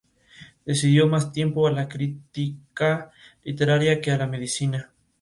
Dedicó más tiempo a la crítica literaria que a la medicina.